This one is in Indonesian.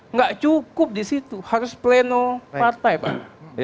nggak cukup disitu harus pleno partai pak